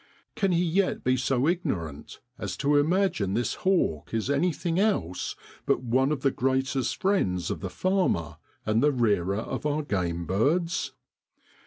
Can he yet be so ignorant as to imagine this hawk is anything else but one of the greatest friends of the farmer, and the rearer of our game birds?